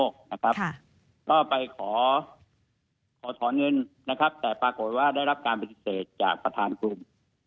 ก็ไปขอถอนเงินนะครับแต่ปรากฏว่าได้รับการปฏิเสธจากประธานกลุ่ม